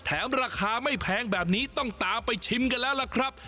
ราคาไม่แพงแบบนี้ต้องตามไปชิมกันแล้วล่ะครับ